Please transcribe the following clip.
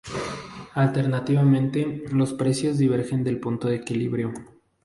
Alternativamente, los precios divergen del punto de equilibrio.